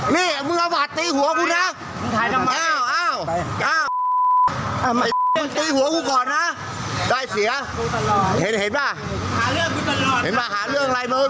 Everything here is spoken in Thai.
น่ะและถึงจากด้วยเดี๋ยวก่อนหลายเรื่องครับเฮ้ย